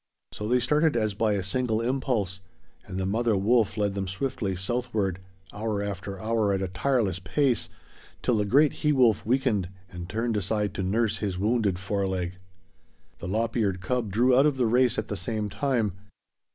So they started as by a single impulse, and the mother wolf led them swiftly southward, hour after hour at a tireless pace, till the great he wolf weakened and turned aside to nurse his wounded fore leg. The lop eared cub drew out of the race at the same time.